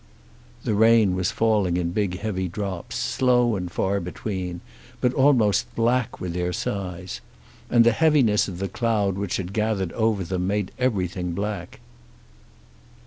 The rain was falling in big heavy drops, slow and far between, but almost black with their size. And the heaviness of the cloud which had gathered over them made everything black.